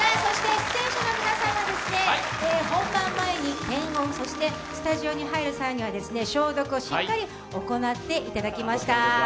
出演者の皆さんは本番前に検温そしてスタジオに入る際には、消毒をしっかり行っていただきました。